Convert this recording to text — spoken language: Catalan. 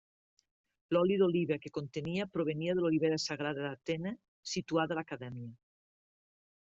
L'oli d'oliva que contenia provenia de l'olivera sagrada d'Atena situada a l'Acadèmia.